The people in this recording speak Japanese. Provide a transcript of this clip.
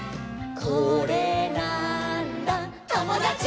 「これなーんだ『ともだち！』」